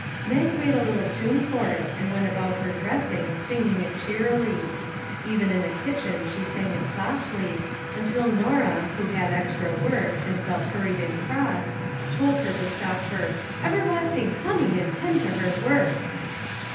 Mag made a little tune for it, and went about her dressing, singing it cheerily. Even in the kitchen she sang it softly, until Norah, who had extra work, and felt hurried and cross, told her to stop her " everlasting humming and 'tend to her work."